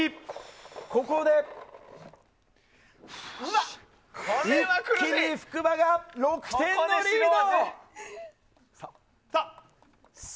ここで一気に福場が６点のリード。